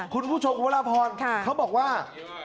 คุณผู้ชมคุณพระราพรเขาบอกว่า